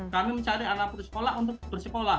kami mencari anak putus sekolah untuk bersekolah